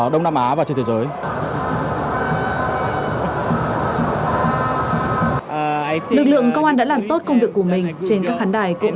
đông nam á và trên thế giới lực lượng công an đã làm tốt công việc của mình trên các khán đài cũng